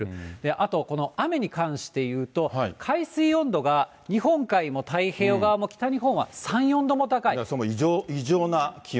あと雨に関していうと、海水温度が日本海も太平洋側も北日本は３、異常な気温？